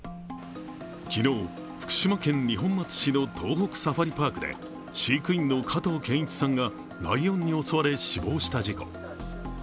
昨日福島県二本松市の東北サファリパークで飼育員の加藤健一さんがライオンに襲われ死亡した事故。